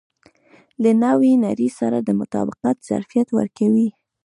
له نوې نړۍ سره د مطابقت ظرفیت ورکوي.